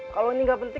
kalau ini gak penting